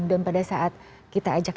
dan pada saat kita ajak